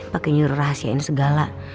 pakai nyuruh rahasiain segala